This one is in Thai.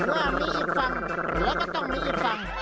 เมื่อมีฟังเดี๋ยวก็ต้องมีฟัง